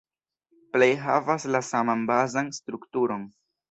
Plej havas la saman bazan strukturon.